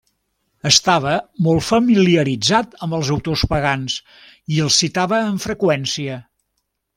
Estava molt familiaritzat amb els autors pagans, i els citava amb freqüència.